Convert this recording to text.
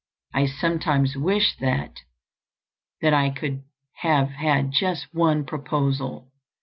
I sometimes wish that—that I could have had just one proposal.